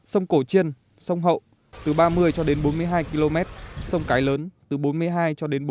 sông cổ chiên sông hậu từ ba mươi cho đến bốn mươi hai km sông cái lớn từ bốn mươi hai cho đến bốn mươi